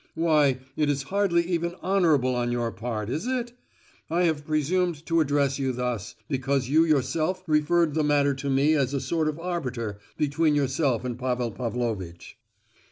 Why, it is hardly even honourable on your part, is it? I have presumed to address you thus, because you yourself referred the matter to me as a sort of arbiter between yourself and Pavel Pavlovitch."